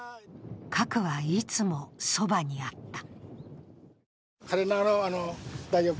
核は、いつもそばにあった。